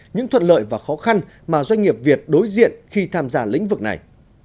những thuận lợi và khó khăn mà doanh nghiệp việt đối diện khi tham gia lĩnh vực này